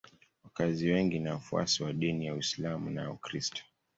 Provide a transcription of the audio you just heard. Wakazi wengi ni wafuasi wa dini ya Uislamu na ya Ukristo.